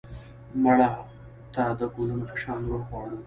مړه ته د ګلونو په شان روح غواړو